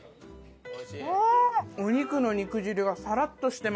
お肉の肉汁がサラッとしてますね。